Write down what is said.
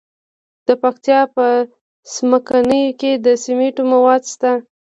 د پکتیا په څمکنیو کې د سمنټو مواد شته.